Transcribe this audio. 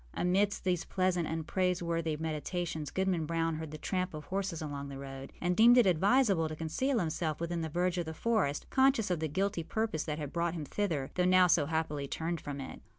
Amidst these pleasant and praiseworthy meditations, Goodman Brown heard the tramp of horses along the road, and deemed it advisable to conceal himself within the verge of the forest, conscious of the guilty purpose that had brought him thither, though now so happily turned from it.